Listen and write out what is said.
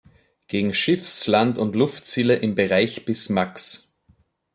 Gegen Schiffs-, Land- und Luftziele im Bereich bis max.